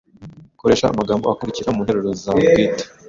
Koresha amagambo akurikira mu nteruro zawe bwite: